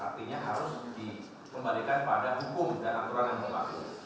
artinya harus dikembalikan pada hukum dan aturan yang berlaku